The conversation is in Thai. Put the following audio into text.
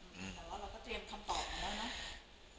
แต่ว่าเราก็เตรียมคำตอบมาแล้วนะ